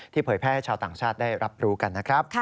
เผยแพร่ให้ชาวต่างชาติได้รับรู้กันนะครับ